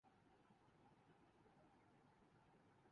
محرم ہو آدھا ملک بند۔